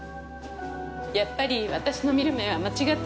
やっぱり私の見る目は間違ってなかったわ。